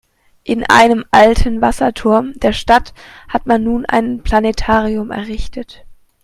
In einem alten Wasserturm der Stadt hat man nun ein Planetarium errichtet.